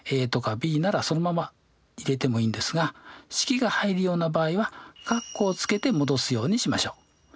ｂならそのまま入れてもいいんですが式が入るような場合は括弧をつけて戻すようにしましょう。